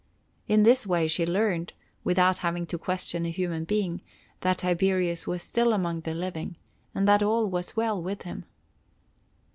In this way she learned, without having to question a human being, that Tiberius was still among the living, and that all was well with him.